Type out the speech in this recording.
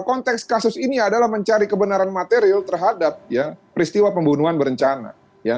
konteks kasus ini adalah mencari kebenaran material terhadap peristiwa pembunuhan berencana